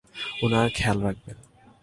উনার খেয়াল রাখবেন।